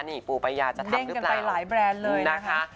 นี่ปูปายาจะทำหรือเปล่าไปหลายแบรนด์เลยนะคะ